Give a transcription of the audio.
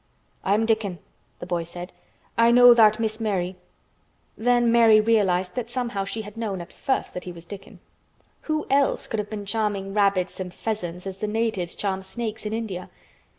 "I'm Dickon," the boy said. "I know tha'rt Miss Mary." Then Mary realized that somehow she had known at first that he was Dickon. Who else could have been charming rabbits and pheasants as the natives charm snakes in India?